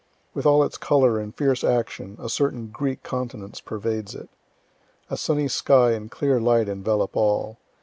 With all its color and fierce action, a certain Greek continence pervades it. A sunny sky and clear light envelop all.